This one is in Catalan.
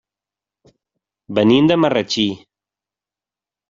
Venim de Marratxí.